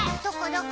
どこ？